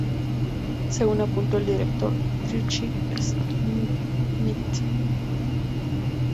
Según apuntó el director Ritchie Smyth.